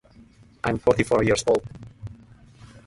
If this identification fails, the boy remains a lifelong mama's boy.